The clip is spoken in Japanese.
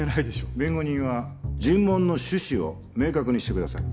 弁護人は尋問の趣旨を明確にしてください